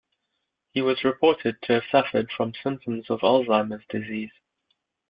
He was reported to have suffered from symptoms of Alzheimer's disease.